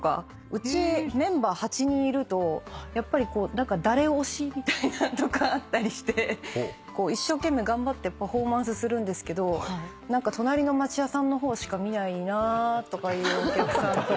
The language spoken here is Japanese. うちメンバー８人いるとやっぱり誰推しみたいなのとかあったりして一生懸命頑張ってパフォーマンスするんですけど何か隣の町屋さんの方しか見ないなとかいうお客さんとかいて。